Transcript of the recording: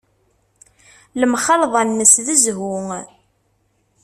Lemxalḍa-nnes d zzhu.